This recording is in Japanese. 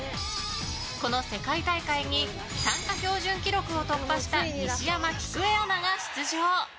この世界大会に参加標準記録を突破した西山喜久恵アナが出場。